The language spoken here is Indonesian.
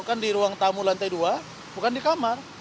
bukan di ruang tamu lantai dua bukan di kamar